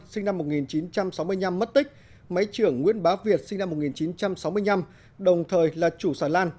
sinh năm một nghìn chín trăm sáu mươi năm mất tích máy trưởng nguyễn bá việt sinh năm một nghìn chín trăm sáu mươi năm đồng thời là chủ xà lan